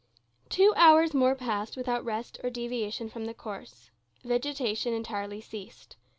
Two hours more passed without rest or deviation from the course. Vegetation entirely ceased.